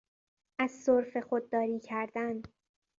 از سرفه خود داری کردن